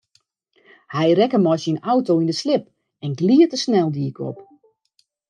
Hy rekke mei syn auto yn in slip en glied de sneldyk op.